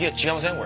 これ。